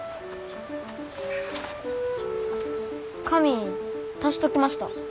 紙足しときました。